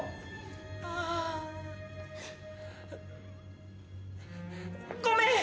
あぁ。ごめん！